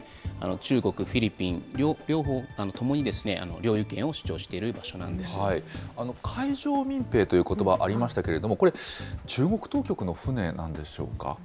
中国、フィリピン、ともにですね、領有権を主張している場所なんで海上民兵ということばありましたけれども、これ、中国当局の船なんでしょうか。